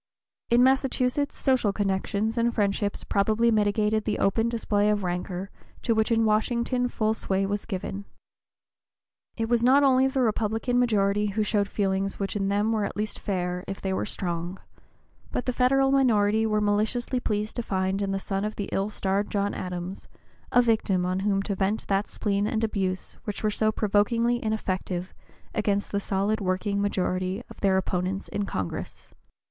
In Massachusetts social connections and friendships probably mitigated the open display of rancor to which in Washington full sway was given. It was not only the Republican majority who showed feelings which in them were at least fair if they were strong, but the Federal minority were maliciously pleased to find in the son of the ill starred John Adams a victim on whom to vent that spleen and abuse which were so provokingly ineffective against the solid working majority of their opponents in Congress.